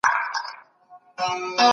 کمپيوټر کتابونه ډاونلوډوي.